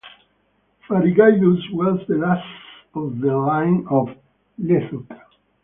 Farigaidus was the last of the line of Lethuc.